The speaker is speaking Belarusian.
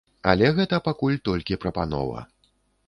Але гэта пакуль толькі прапанова.